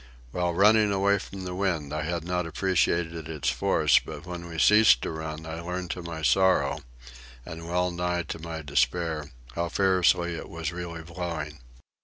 While running away from the wind I had not appreciated its force, but when we ceased to run I learned to my sorrow, and well nigh to my despair, how fiercely it was really blowing.